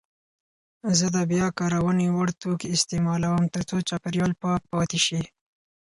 زه د بیاکارونې وړ توکي استعمالوم ترڅو چاپیریال پاک پاتې شي.